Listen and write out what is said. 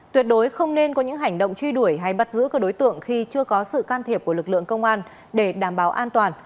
tuyệt đối không nên có những hành động truy đuổi hay bắt giữ các đối tượng khi chưa có sự can thiệp của lực lượng công an để đảm bảo an toàn